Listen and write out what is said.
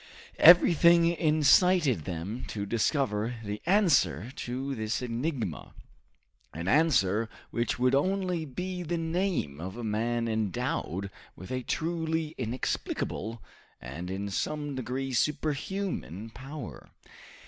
Everything incited them to discover the answer to this enigma, an answer which would only be the name of a man endowed with a truly inexplicable, and in some degree superhuman power.